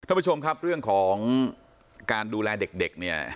ท่านผู้ชมครับเรื่องของการดูแลเด็กเนี่ย